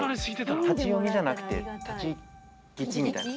立ち読みじゃなくて立ち聞きみたいな。